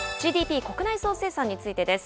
ＧＤＰ・国内総生産についてです。